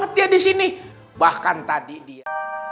disini bahkan tadi dia